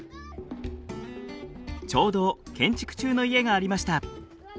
ちょうど建築中の家がありました。